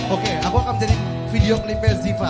oke aku akan menjadi video klipnya ziva